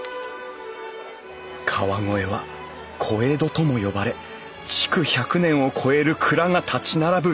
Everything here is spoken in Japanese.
川越は小江戸とも呼ばれ築１００年を超える蔵が立ち並ぶ